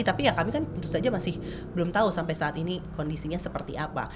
tapi ya kami kan tentu saja masih belum tahu sampai saat ini kondisinya seperti apa